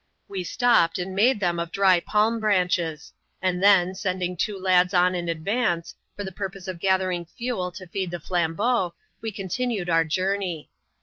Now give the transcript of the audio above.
We stopped, and made them of dry palm branches ; and then, sending two lads on in advance, for the purpose of gathering fuel to feed the fLam beauz, we continued our journey.